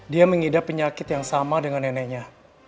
dia mengidap penyakit yang sama dengan neneknya